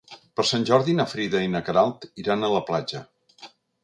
Per Sant Jordi na Frida i na Queralt iran a la platja.